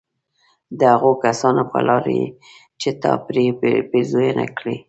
د هغو كسانو په لار چي تا پرې پېرزوينه كړې